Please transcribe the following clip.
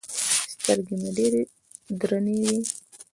سترګې مې ډېرې درنې وې.